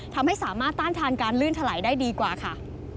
ทำให้สามารถต้านทานการลื่นถลายได้ดีกว่าค่ะ